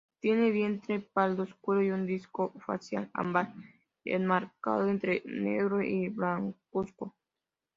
Tiene vientre pardo oscuro, y un disco facial ámbar, enmarcado entre negro y blancuzco.